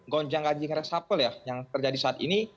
gonjang ganjing resapel ya yang terjadi saat ini